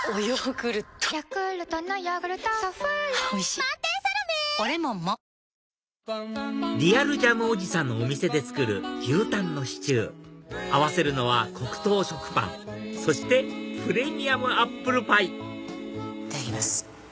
あなたもリアルジャムおじさんのお店で作る牛タンのシチュー合わせるのは黒糖食パンそしてプレミアムアップルパイいただきます。